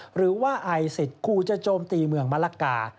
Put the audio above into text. หรือว่าไอซิสขู่จะโจมตีเมืองมะละกา